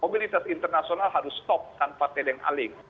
mobilitas internasional harus stop tanpa tedeng aling